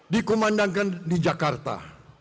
dikumandangkan di jakarta